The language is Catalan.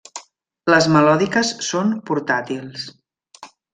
Les melòdiques són portàtils.